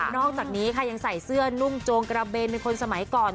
อกจากนี้ค่ะยังใส่เสื้อนุ่มโจงกระเบนเป็นคนสมัยก่อน